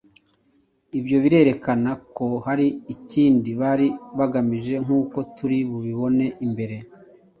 ibyo birerekana ko hari ikindi bari bagamije nk'uko turi bubibone imbere.